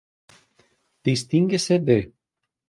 Distínguese de